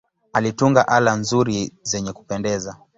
Alitunga ala nzuri zenye kupendeza.